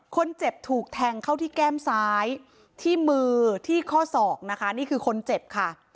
ถูกแทงเข้าที่แก้มซ้ายที่มือที่ข้อศอกนะคะนี่คือคนเจ็บค่ะ